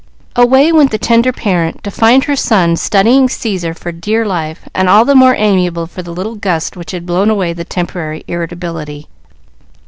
Away went the tender parent to find her son studying Caesar for dear life, and all the more amiable for the little gust which had blown away the temporary irritability.